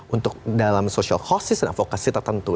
untuk dalam social causes dan advocacy tertentu